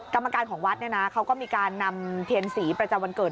กรรมการของวัดเนี่ยนะเขาก็มีการนำเทียนศรีประจำวันเกิด